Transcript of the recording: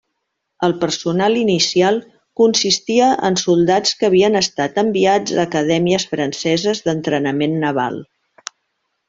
El personal inicial consistia en soldats que havien estat enviats a acadèmies franceses d'entrenament naval.